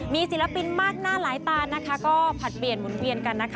มีศิลปินมากหน้าหลายตานะคะก็ผลัดเปลี่ยนหมุนเวียนกันนะคะ